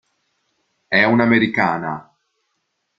È un'americana.